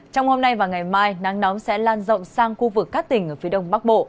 trong hôm nay và ngày mai nắng nóng sẽ lan rộng sang khu vực các tỉnh ở phía đông bắc bộ